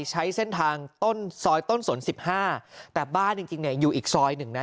ใช้เส้นทางซอยต้นสน๑๕แต่บ้านจริงอยู่อีกซอยหนึ่งนะ